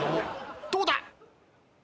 どうだ？